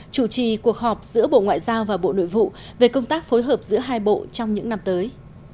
chủ trì cuộc họp giữa bộ ngoại giao và bộ nội vụ về công tác phối hợp giữa hai bộ trong những năm tới